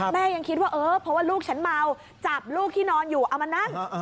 ยังคิดว่าเออเพราะว่าลูกฉันเมาจับลูกที่นอนอยู่เอามานั่ง